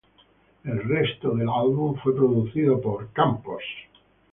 El resto del álbum fue producido por Fields.